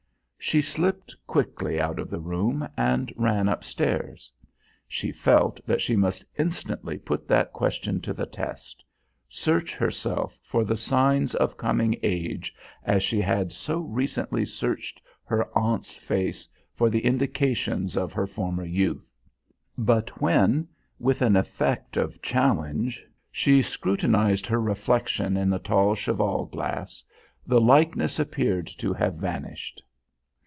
She slipped quickly out of the room and ran upstairs. She felt that she must instantly put that question to the test; search herself for the signs of coming age as she had so recently searched her aunt's face for the indications of her former youth. But when, with an effect of challenge, she scrutinised her reflection in the tall cheval glass, the likeness appeared to have vanished.